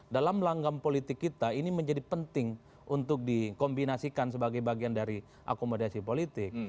dalam langgam politik kita ini menjadi penting untuk dikombinasikan sebagai bagian dari akomodasi politik